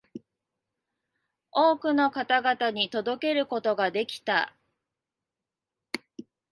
多くの方々に届けることができた